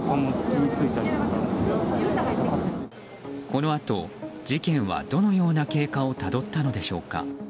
このあと事件はどのような経過をたどったのでしょうか。